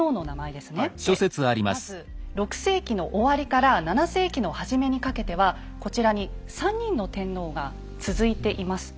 でまず６世紀の終わりから７世紀の初めにかけてはこちらに３人の天皇が続いています。